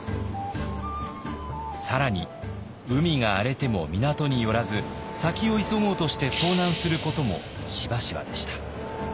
更に海が荒れても港に寄らず先を急ごうとして遭難することもしばしばでした。